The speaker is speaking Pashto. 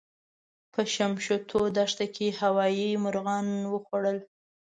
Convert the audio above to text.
په شمشتو دښته کې هوايي مرغانو وخوړل.